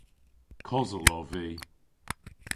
Kosel ov vy.